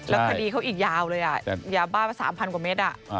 แล้วพอดีเขาอีกยาวเลยอ่ะยาบ้า๓๐๐๐กว่าเมตรอ่ะ